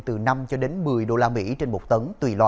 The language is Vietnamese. từ năm năm triệu đồng